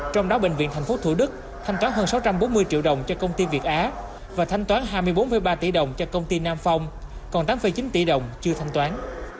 trong đó bệnh viện tp thủ đức thanh toán hơn sáu trăm bốn mươi triệu đồng cho công ty việt á và thanh toán hai mươi bốn ba tỷ đồng cho công ty nam phong còn tám chín tỷ đồng chưa thanh toán